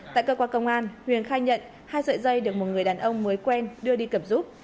tại cơ quan công an huyền khai nhận hai sợi dây được một người đàn ông mới quen đưa đi cầm giúp